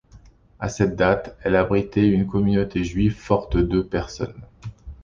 À cette date, elle abritait une communauté juive forte de personnes.